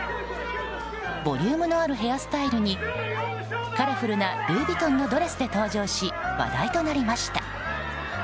ボリュームのあるヘアスタイルにカラフルなルイ・ヴィトンのドレスで登場し話題となりました。